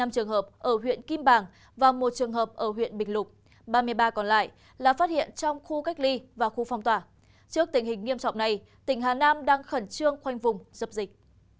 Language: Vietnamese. một mươi trường hợp ở huyện kim bảng và một trường hợp ở huyện bình lục ba mươi ba còn lại là phát hiện trong khu cách ly và khu phong tỏa trước tình hình nghiêm trọng này tỉnh hà nam đang khẩn trương khoanh vùng dập dịch